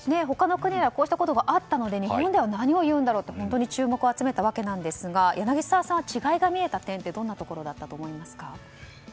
他の国ではこうしたことがあったので日本では何を言うんだろうと注目を集めたわけですが柳澤さん、違いが見えた点ってどんなところだったと思いますか。